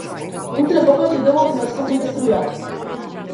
Утре повеќе делови на Скопје без струја